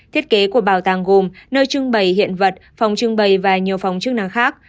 thiết kế của bảo tàng gồm nơi trưng bày hiện vật phòng trưng bày và nhiều phòng chức năng khác